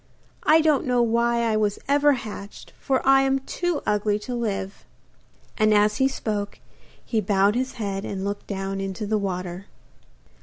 I don't know why I was ever hatched, for I am too ugly to live.' And as he spoke, he bowed his head and looked down into the water.